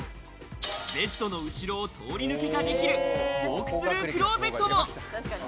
ベッドの後ろを通り抜けができるウォークスルークローゼットも。